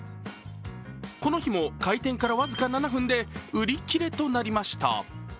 この日も開店から僅か７分で売り切れとなりました。